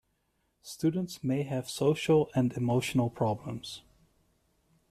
Students may have social and emotional problems.